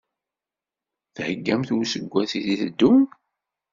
Theggamt i useggas i d-iteddun?